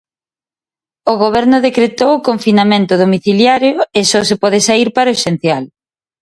O Goberno decretou o confinamento domiciliario e só se pode saír para o esencial.